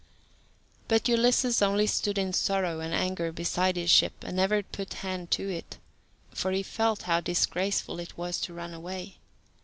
But Ulysses only stood in sorrow and anger beside his ship, and never put hand to it, for he felt how disgraceful it was to run away.